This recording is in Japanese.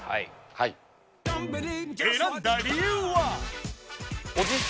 はい選んだ理由は？